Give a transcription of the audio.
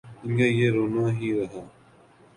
ان کا یہ رونا ہی رہا۔